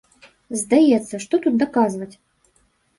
Здаецца, што тут даказваць?